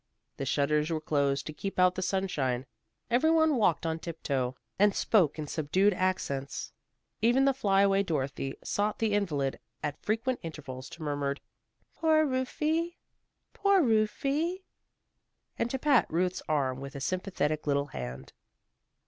The shutters were closed to keep out the sunshine. Every one walked on tiptoe, and spoke in subdued accents. Even the fly away Dorothy sought the invalid at frequent intervals to murmur, "Poor Rufie! Poor Rufie," and to pat Ruth's arm with a sympathetic little hand.